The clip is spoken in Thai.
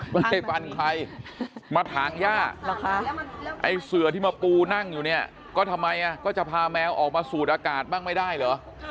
ไม่ได้ฟันใครมาถางย่าไอ้เสือที่มาปูนั่งอยู่เนี่ยก็ทำไมก็จะพาแมวออกมาสูดอากาศบ้างไม่ได้เหรอ